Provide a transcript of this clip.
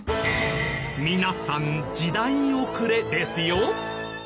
皆さん時代遅れですよ！